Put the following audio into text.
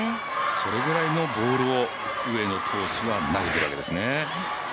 それぐらいのボールを上野投手は投げているわけですね。